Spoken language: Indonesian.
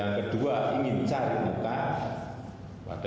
yang kedua ingin cari muka saya